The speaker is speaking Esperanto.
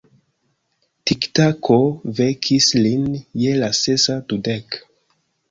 Tiktako vekis lin je la sesa dudek.